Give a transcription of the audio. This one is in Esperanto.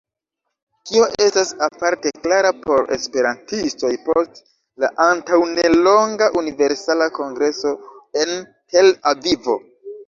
Tio estas aparte klara por esperantistoj post la antaŭnelonga Universala Kongreso en Tel-Avivo.